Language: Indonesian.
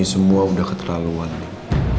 ini semua udah keterlaluan nino